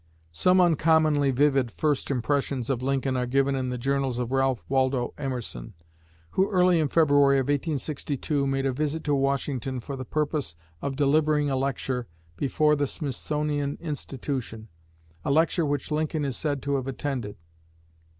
Some uncommonly vivid "first impressions" of Lincoln are given in the Journals of Ralph Waldo Emerson, who early in February of 1862 made a visit to Washington for the purpose of delivering a lecture before the Smithsonian Institution a lecture which Lincoln is said to have attended.